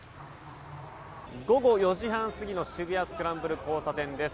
午後４時半過ぎの渋谷スクランブル交差点です。